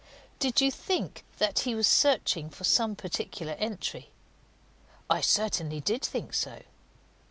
"Did you think that he was searching for some particular entry?" "I certainly did think so."